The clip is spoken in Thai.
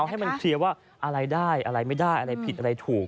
ให้มันเคลียร์ว่าอะไรได้อะไรไม่ได้อะไรผิดอะไรถูก